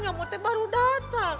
nyomut teh baru datang